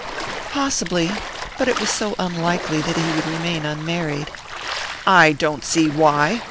"Possibly. But it was so unlikely that he would remain unmarried." "I don't see why!